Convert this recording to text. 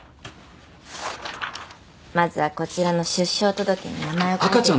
まずはこちらの出生届に名前を書いて頂いて。